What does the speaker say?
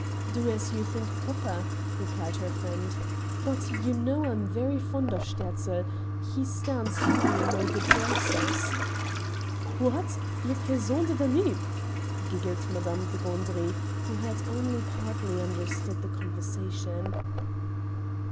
"Do as you think proper," replied her friend, "but you know I am very fond of Sterzl; he stands high in my good graces." "What! le Paysan du Danube?" giggled Madame de Gandry, who had only partly understood the conversation.